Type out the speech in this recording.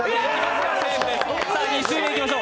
２周目いきましょう。